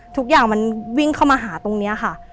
ทุกอย่างมันวิ่งเข้ามาหาตรงนี้ค่ะ